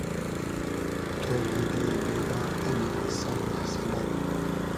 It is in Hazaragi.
تۉر بیدی , بېدار کئنی سئر دۂ سئلا